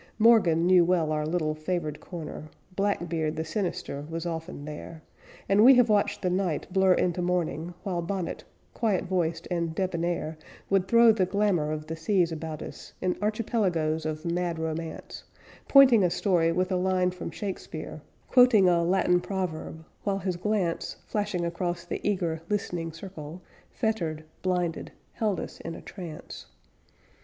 Morgan knew well our little favored corner; Black Beard the sinister was often there; And we have watched the night blur into morning While Bonnet, quiet voiced and debonnaire, Would throw the glamor of the seas about us In archipelagoes of mad romance; Pointing a story with a line from Shakespeare, Quoting a Latin proverb; while his glance, Flashing across the eager, listening circle, Fettered blinded held us in a trance.